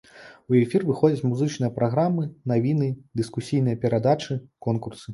У эфір выходзяць музычныя праграмы, навіны, дыскусійныя перадачы, конкурсы.